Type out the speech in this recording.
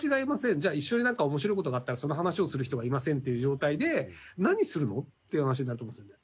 じゃあ、一緒に何か面白いことがあったらその話をする人もいませんっていう状態で何するの？っていう話になってきますよね。